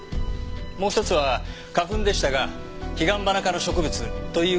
もう１つは花粉でしたがヒガンバナ科の植物という事までしか。